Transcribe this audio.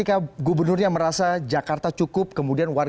baik pak ansi kalau ketika gubernurnya merasa jakarta cukup kemudian warga jakarta